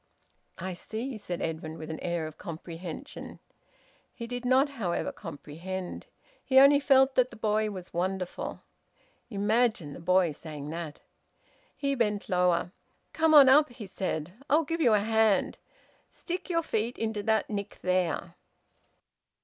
"I see," said Edwin, with an air of comprehension. He did not, however, comprehend. He only felt that the boy was wonderful. Imagine the boy saying that! He bent lower. "Come on up," he said. "I'll give you a hand. Stick your feet into that nick there."